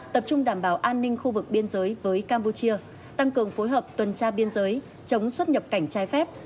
tập trung đảm bảo an ninh khu vực biên giới với campuchia tăng cường phối hợp tuần tra biên giới chống xuất nhập cảnh trái phép